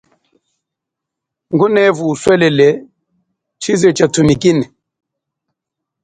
Ngunevu uswelele chize cha tumikine.